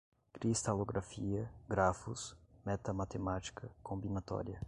cristalografia, grafos, metamatemática, combinatória